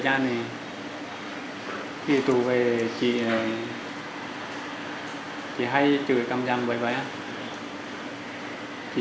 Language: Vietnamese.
vì lúc ấy tôi chưa biết